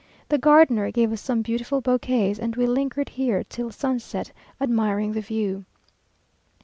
The gardener gave us some beautiful bouquets, and we lingered here till sunset, admiring the view.